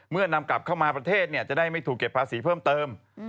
นำกลับเข้ามาประเทศจะได้ไม่ถูกเก็บภาษีเพิ่มเติม